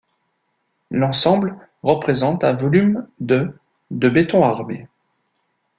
L'ensemble représente un volume de de béton armé.